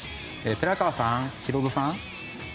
寺川さん、ヒロドさん。